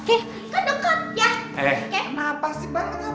bisa berangkat sendiri oke